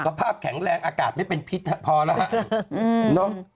สภาพแข็งแรงอากาศไม่เป็นพิษพอแล้วฮะ